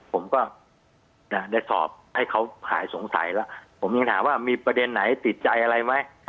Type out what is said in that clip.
ผมก็ได้สอบให้เขาหายสงสัยแล้วผมยังถามว่ามีประเด็นไหนติดใจอะไรไหม